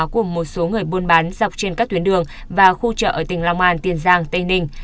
của một số người buôn bán dọc trên các tuyến đường và khu chợ ở tỉnh long an tiền giang tây ninh